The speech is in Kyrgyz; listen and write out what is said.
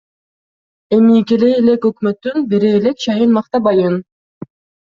Эми келе элек өкмөттүн бере элек чайын мактабайын.